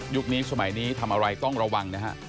นี้สมัยนี้ทำอะไรต้องระวังนะฮะ